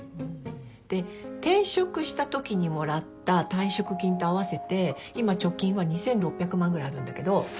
で転職したときにもらった退職金と合わせて今貯金は２，６００万ぐらいあるんだけど。